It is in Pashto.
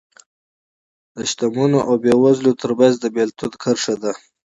د شتمنو او بېوزلو ترمنځ د بېلتون کرښه ده